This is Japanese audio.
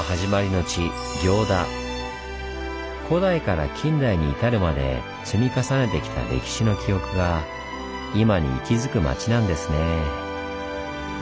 古代から近代に至るまで積み重ねてきた歴史の記憶が今に息づく町なんですねぇ。